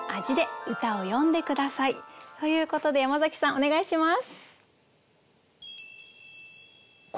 ということで山崎さんお願いします。